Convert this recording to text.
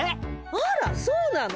あらそうなの？